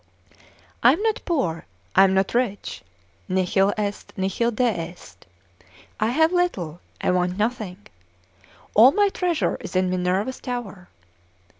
I am not poor, I am not rich; nihil est, nihil deest, I have little, I want nothing: all my treasure is in Minerva's tower.